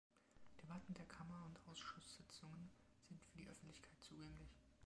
Debatten der Kammer und Ausschusssitzungen sind für die Öffentlichkeit zugänglich.